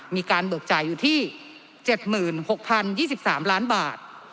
มีการเบิกจ่ายอยู่ที่๗๖๐๒๓ล้านบาท